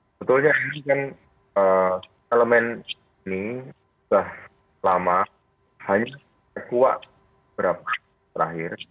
sebetulnya ini kan elemen ini sudah lama hanya kuat beberapa terakhir